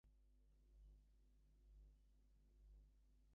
He penned the words to Centennial ode.